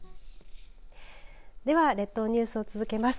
では列島ニュースを続けます。